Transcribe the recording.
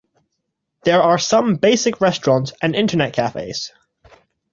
There are some basic restaurants and internet cafes.